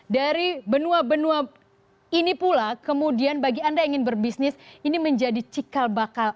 dari benua benua ini pula kemudian bagi anda yang ingin berbisnis ini menjadi cikal bakal